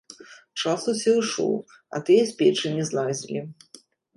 Час усё ішоў, а тыя з печы не злазілі.